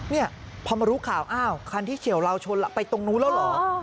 เนี่ยพอมารู้ข่าวอ้าวคันที่เฉียวเราชนไปตรงนู้นแล้วเหรอ